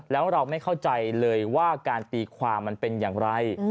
แล้วเราไม่เข้าใจเลยว่าการตีความมันเป็นอย่างไร